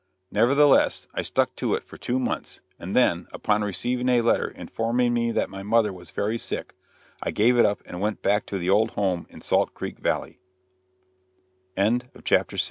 Nevertheless, I stuck to it for two months, and then, upon receiving a letter informing me that my mother was very sick, I gave it up and went back to the old home in Salt C